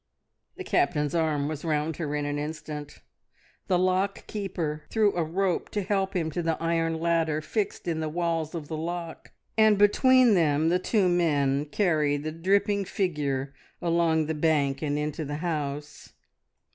The Captain's arm was round her in an instant, the lock keeper threw a rope to help him to the iron ladder fixed in the walls of the lock, and between them the two men carried the dripping figure along the bank and into the house.